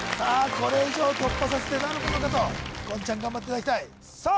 これ以上突破させてなるものかと言ちゃん頑張っていただきたいさあ